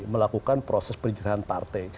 melakukan proses penjagaan partai